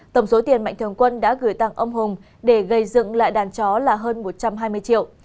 tổng số tiền mạnh thường quân đã gửi tặng ông hùng để gây dựng lại đàn chó là hơn một trăm hai mươi triệu